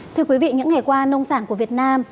thưa quý vị những ngày qua nông sản của việt nam